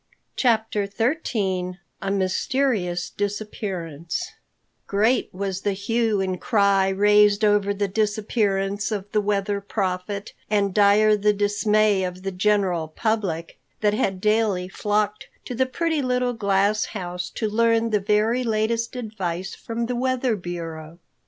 CHAPTER XIII A MYSTERIOUS DISAPPEARANCE GREAT was the hue and cry raised over the disappearance of the Weather Prophet, and dire the dismay of the general public, that had daily flocked to the pretty little glass house to learn the very latest advice from the weather bureau.